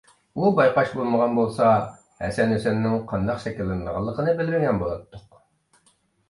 بۇ بايقاش بولمىغان بولسا، ھەسەن - ھۈسەننىڭ قانداق شەكىللىنىدىغانلىقىنى بىلمىگەن بولاتتۇق.